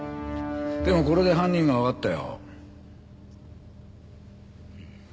でもこれで犯人がわかったよ。